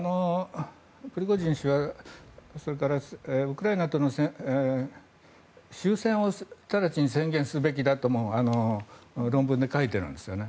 プリゴジン氏はウクライナとの終戦を直ちに宣言するべきだとも論文で書いているんです。